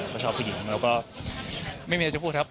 ก็ชอบผู้หญิงแล้วก็ไม่มีอะไรจะพูดครับ